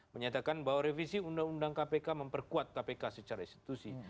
menyatakan bahwa revisi undang undang kpk memperkuat kpk secara institusi